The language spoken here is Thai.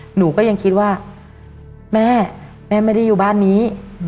หนูก็ยังคิดว่าแม่แม่ไม่ได้อยู่บ้านนี้